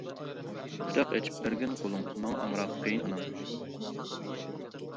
قۇچاق ئېچىپ بەرگىن قولۇڭ، ماڭا ئامراق قېيىنئانام.